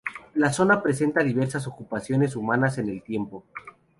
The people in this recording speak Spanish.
La zona presenta diversas ocupaciones humanas en el tiempo.